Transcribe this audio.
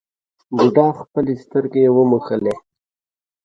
بوډا خپلې سترګې وموښلې.